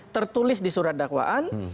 tertulis di surat dakwaan